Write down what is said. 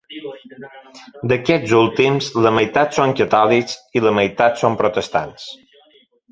D'aquests últims la meitat són catòlics i la meitat són protestants.